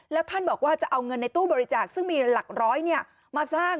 แล้วท่านบอกว่าจะเอาเงินในตู้บริจาคซึ่งมีหลักร้อยมาสร้าง